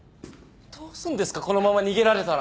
どうすんですかこのまま逃げられたら。